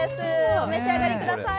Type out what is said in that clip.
お召し上がりください。